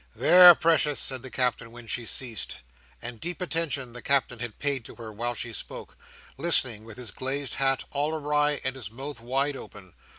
"There, precious!" said the Captain, when she ceased; and deep attention the Captain had paid to her while she spoke; listening, with his glazed hat all awry and his mouth wide open.